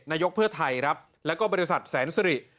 นายกเพื่อไทยครับแล้วก็บริษัทแสนสิริ